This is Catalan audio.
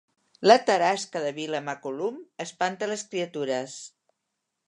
La tarasca de Vilamacolum espanta les criatures